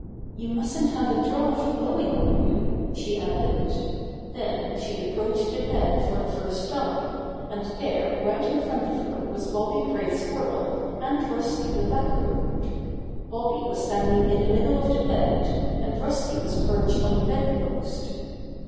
"You mustn't have a draft blowing on you," she added. Then she approached the bed for the first time, and there right in front of her was Bobby Gray Squirrel and Rusty the Black bird. Bobby was standing in the middle of the bed, and Rusty was perched on the bed post.